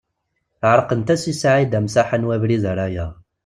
Ɛerqent-as i Saɛid Amsaḥ anwa abrid ara yaɣ.